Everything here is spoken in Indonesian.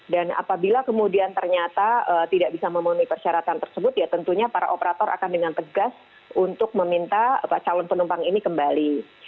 dan apabila kemudian ternyata tidak bisa memenuhi persyaratan tersebut ya tentunya para operator akan dengan tegas untuk meminta calon penumpang ini kembali